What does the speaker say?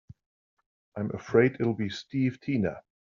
I'm afraid it'll be Steve Tina.